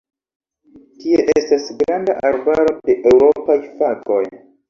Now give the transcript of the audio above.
Tie estas granda arbaro de eŭropaj fagoj.